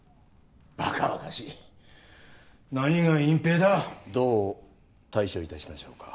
ばかばかしい何が隠蔽だどう対処いたしましょうか？